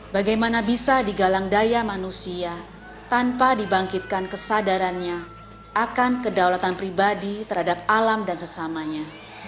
bagaimana bisa digalang daya manusia tanpa dibangkitkan kesadarannya akan kedaulatan pribadi terhadap alam dan sesamanya